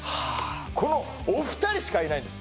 このお二人しかいないんです